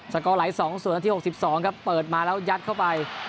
สกไหล่สองส่วนที่หกสิบสองครับเปิดมาแล้วยัดเข้าไป